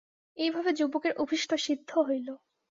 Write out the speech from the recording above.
এইভাবে যুবকের অভীষ্ট সিদ্ধ হইল।